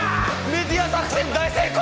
メディア作戦大成功！